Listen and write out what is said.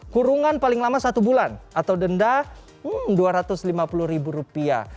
kurungan paling lama satu bulan atau denda dua ratus lima puluh ribu rupiah